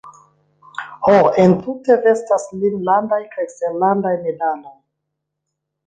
Ho, entute vestas lin landaj kaj eksterlandaj medaloj.